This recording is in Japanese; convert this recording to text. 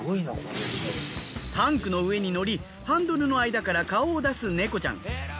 タンクの上に乗りハンドルの間から顔を出すネコちゃん。